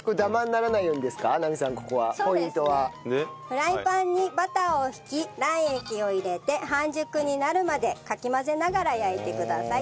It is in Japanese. フライパンにバターを引き卵液を入れて半熟になるまでかき混ぜながら焼いてください。